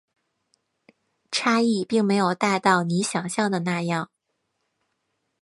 差异并没有大到你想像的那样